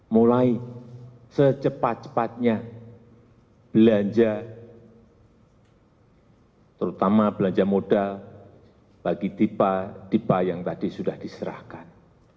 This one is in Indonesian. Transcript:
mulai secepat cepatnya belanja terutama belanja modal bagi tipe tipe yang tadi sudah diserahkan